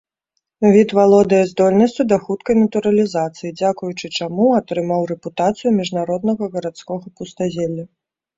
Від валодае здольнасцю да хуткай натуралізацыі, дзякуючы чаму атрымаў рэпутацыю міжнароднага гарадскога пустазелля.